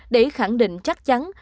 để khẳng định chắc chắn